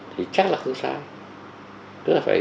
thì chắc là không sao